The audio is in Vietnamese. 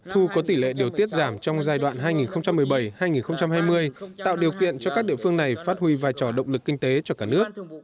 thu có tỷ lệ điều tiết giảm trong giai đoạn hai nghìn một mươi bảy hai nghìn hai mươi tạo điều kiện cho các địa phương này phát huy vai trò động lực kinh tế cho cả nước